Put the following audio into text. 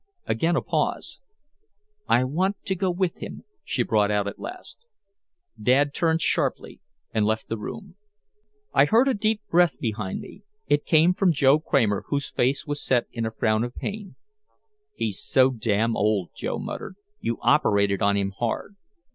Again a pause. "I want to go with him," she brought out at last. Dad turned sharply and left the room. I heard a deep breath behind me. It came from Joe Kramer, whose face was set in a frown of pain. "He's so damn old," Joe muttered. "You operated on him hard."